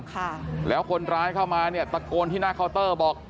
ค่ะแล้วคนร้ายเข้ามาเนี่ยตะโกนที่หน้าเคาน์เตอร์บอก